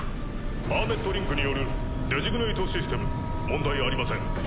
パーメットリンクによるデジグネイトシステム問題ありません。